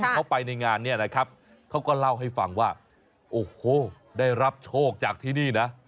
เขาไปในงานเนี่ยนะครับเขาก็เล่าให้ฟังว่าโอ้โหได้รับโชคจากที่นี่นะ